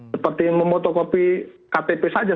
seperti memotokopi ktp saja